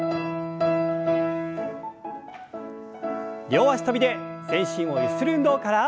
両脚跳びで全身をゆする運動から。